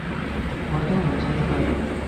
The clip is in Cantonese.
我都唔信佢